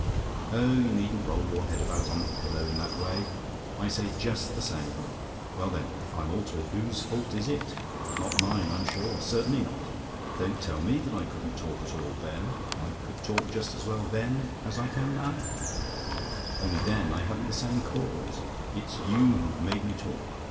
Oh, you needn't roll your head about on the pillow in that way: I say, just the same. Well, then, if I'm altered, whose fault is it? Not mine, I'm sure certainly not. Don't tell me that I couldn't talk at all then I could talk just as well then as I can now; only then I hadn't the same cause. It's you who've made me talk.